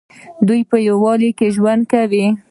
دوی په یووالي کې ژوند کوي.